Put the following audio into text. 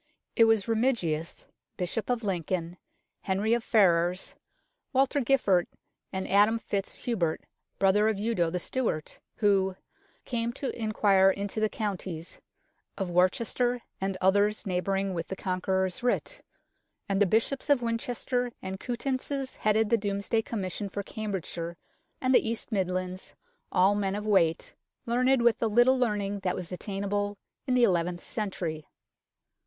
It was Remigius, Bishop of Lincoln, Henry of Ferrars, Walter Giffard, and Adam fitz Hubert, brother of Eudo the Steward, who " came to inquire into the counties " of Worcester and others neighbouring with the Conqueror's writ ; and the Bishops of Winchester and Coutances headed the Domesday Commission for Cambridgeshire and the East Midlands all men of weight, learned with the little learning that was attainable in the eleventh century.